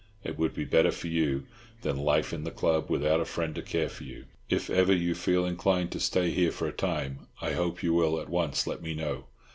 It would be better for you than life in the club, without a friend to care for you. If ever you feel inclined to stay here for a time, I hope you will at once let me know.